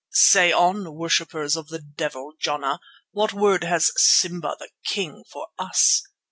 "Say on, worshippers of the devil Jana. What word has Simba the King for us?"